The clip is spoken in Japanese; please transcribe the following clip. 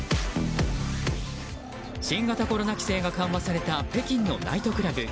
新型コロナ規制が緩和された北京のナイトクラブ。